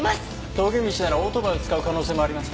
峠道ならオートバイを使う可能性もありますね。